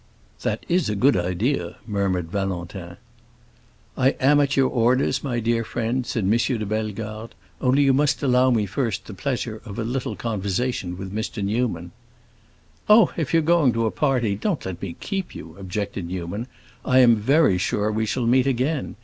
"That is a good idea," murmured Valentin. "I am at your orders, my dear friend," said M. de Bellegarde. "Only, you must allow me first the pleasure of a little conversation with Mr. Newman." "Oh, if you are going to a party, don't let me keep you," objected Newman. "I am very sure we shall meet again.